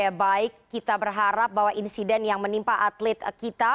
ya baik kita berharap bahwa insiden yang menimpa atlet kita